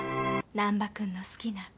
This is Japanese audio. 難破君の好きな子。